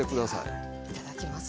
ではいただきます。